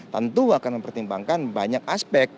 tentu akan mempertimbangkan banyak aspek